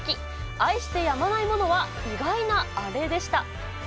愛してやまないものは意外なあれでした。